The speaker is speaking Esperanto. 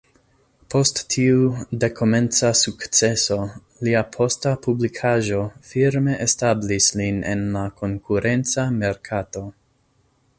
Post tiu dekomenca sukceso, lia posta publikaĵo firme establis lin en la konkurenca merkato.